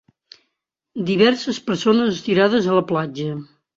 Diverses persones estirades a la platja.